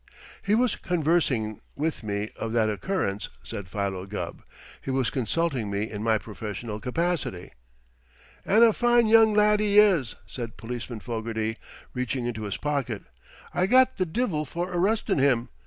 "He was conversing with me of that occurrence," said Philo Gubb. "He was consulting me in my professional capacity." "An' a fine young lad he is!" said Policeman Fogarty, reaching into his pocket. "I got th' divvil for arristin' him.